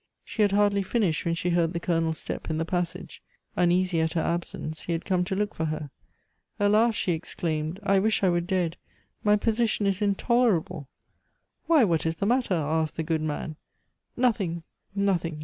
She had hardly finished when she heard the Colonel's step in the passage; uneasy at her absence, he had come to look for her. "Alas!" she exclaimed, "I wish I were dead! My position is intolerable..." "Why, what is the matter?" asked the good man. "Nothing, nothing!"